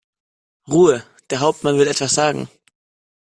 Ruhe! Der Hauptmann will etwas sagen.